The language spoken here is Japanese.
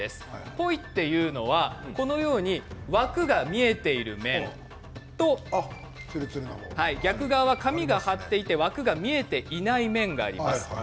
ポイというのは枠が見えている面と逆側は紙が張ってあって枠が見えていない面があります。